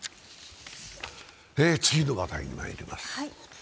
次の話題にまいります。